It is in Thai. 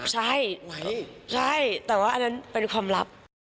ใช่ใช่แต่ว่าอันนั้นเป็นความลับ